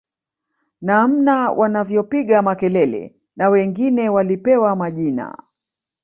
Namna wanavyopiga makelele na wengine walipewa majina